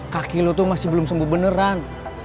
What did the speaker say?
kaki lu tuh masih belum sembuh beneran